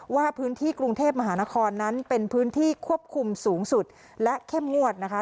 ว่าพื้นที่กรุงเทพมหานครนั้นเป็นพื้นที่ควบคุมสูงสุดและเข้มงวดนะคะ